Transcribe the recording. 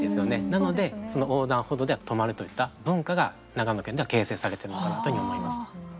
なので、横断歩道では止まるといった文化が長野県では形成されてるように思います。